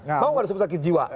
mau gak ada sakit jiwa